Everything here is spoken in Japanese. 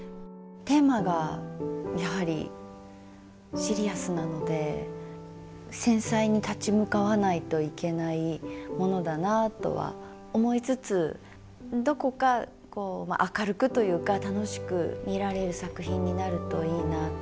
テーマがやはりシリアスなので繊細に立ち向かわないといけないものだなとは思いつつどこかこう明るくというか楽しく見られる作品になるといいなと。